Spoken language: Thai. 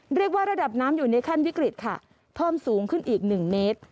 เรียกว่าระดับน้ำอยู่ในขั้นวิกฤตค่ะเพิ่มสูงขึ้นอีก๑เมตร